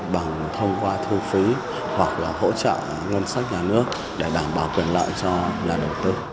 bằng thông qua thu phí hoặc là hỗ trợ ngân sách nhà nước để đảm bảo quyền lợi cho nhà đầu tư